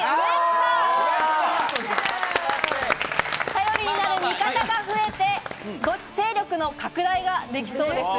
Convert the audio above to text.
頼りになる味方が増えて勢力の拡大ができそうです。